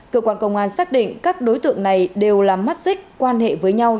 cơ quan công an xác định các đối tượng này đều là mắt xích quan hệ với nhau